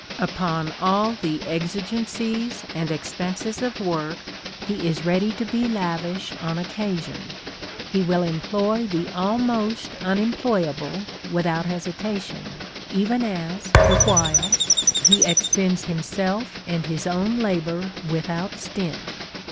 Upon all the ex A DAY WITH WILLIAM MORRIS. igencies and expenses of work, he is ready to be lavish on occasion : he will employ the almost unemployable without hesitation, even as, the while, he expends himself and his own labour without stint.